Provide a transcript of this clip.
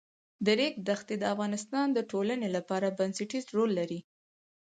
د ریګ دښتې د افغانستان د ټولنې لپاره بنسټيز رول لري.